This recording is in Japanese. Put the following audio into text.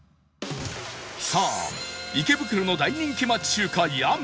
さあ池袋の大人気町中華楊